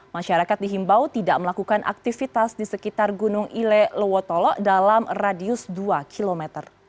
masyarakat dihimbau tidak melakukan aktivitas di sekitar gunung ile lewotolo dalam radius dua km